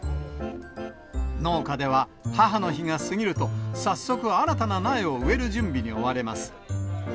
農家では、母の日が過ぎると、早速、新たな苗を植える準備に追われます。